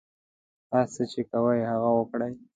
هر څه چې کوئ هغه وکړئ.